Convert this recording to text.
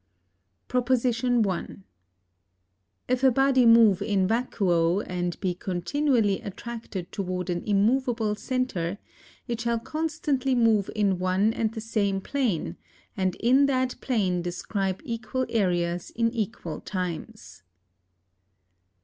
Prop. 1. If a body move in vacuo & be continually attracted toward an immoveable center, it shall constantly move in one & the same plane, & in that plane describe equal areas in equall times.